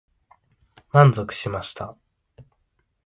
満足しました。